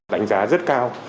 đánh giá rất cao